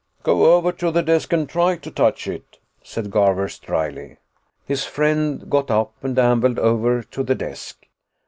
"Go over to the desk and try to touch it," said Garvers dryly. His friend got up and ambled over to the desk.